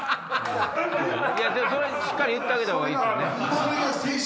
それしっかり言ってあげた方がいいっすね。